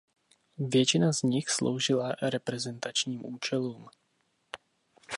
Většina z nich sloužila reprezentačním účelům.